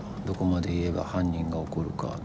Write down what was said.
どこまで言えば犯人が怒るか。